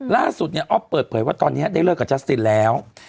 ล่าสุดเนี่ยอ๊อฟเปิดเผยว่าตอนนี้ได้เลิกกับจัสซินแล้ว